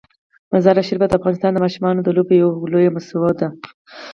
مزارشریف د افغانستان د ماشومانو د لوبو یوه لویه موضوع ده.